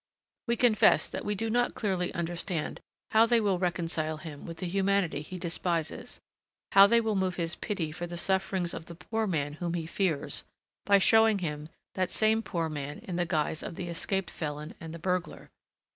We confess that we do not clearly understand how they will reconcile him with the humanity he despises, how they will move his pity for the sufferings of the poor man whom he fears, by showing him that same poor man in the guise of the escaped felon and the burglar.